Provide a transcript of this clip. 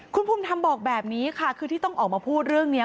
คุณภูมิธรรมบอกแบบนี้ค่ะคือที่ต้องออกมาพูดเรื่องนี้